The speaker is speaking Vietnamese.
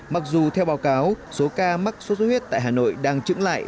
mặc dù theo báo cáo số ca mắc sốt xuất huyết tại hà nội đang trứng lại